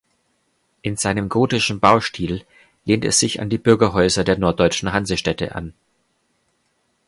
In seinem gotischen Baustil lehnt es sich an die Bürgerhäuser der norddeutschen Hansestädte an.